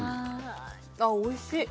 おいしい。